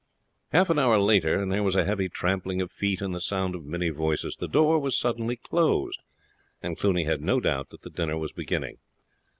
Half an hour later and there was a heavy trampling of feet and the sound of many voices. The door was suddenly closed, and Cluny had no doubt that the dinner was beginning.